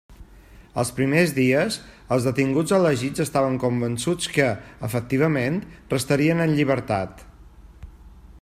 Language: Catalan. Els primers dies, els detinguts elegits estaven convençuts que, efectivament, restarien en llibertat.